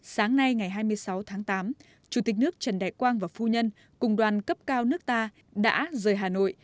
sáng nay ngày hai mươi sáu tháng tám chủ tịch nước trần đại quang và phu nhân cùng đoàn cấp cao nước ta đã rời hà nội